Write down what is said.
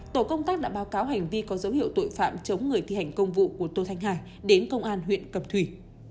tổ công tác đã báo cáo hành vi có dấu hiệu tội phạm chống người thi hành công vụ của tô thanh hà đến công an huyện cầm thủy